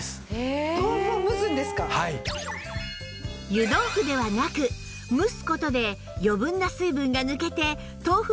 湯豆腐ではなく蒸す事で余分な水分が抜けて豆腐